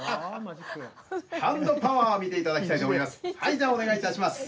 ハンドパワーを見て頂きたいと思います。